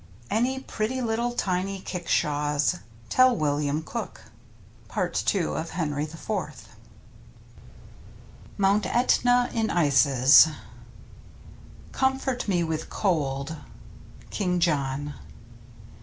Any pretty little tiny kickshaws, tell William cook. —// Henry IV. MT. ETNA IN ICES Comfort me with cold. — King John.